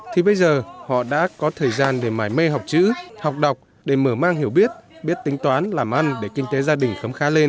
thì bây giờ họ đã có thời gian để mải mê học chữ học đọc để mở mang hiểu biết biết tính toán làm ăn để kinh tế gia đình khấm khá lên